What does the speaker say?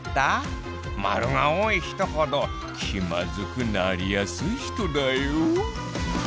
○が多い人ほど気まずくなりやすい人だよ。